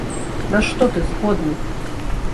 На што ты згодны?